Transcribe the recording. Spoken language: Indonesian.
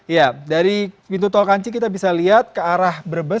ya dari pintu tol kanci kita bisa lihat ke arah brebes